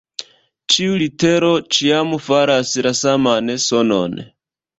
Ĉiu litero ĉiam faras la saman sonon.